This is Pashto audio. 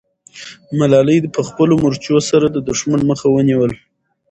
ملالۍ په خپلو مرچو سره د دښمن مخه ونیوله.